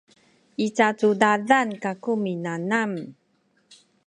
i cacudadan kaku minanam